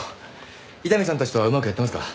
伊丹さんたちとはうまくやってますか？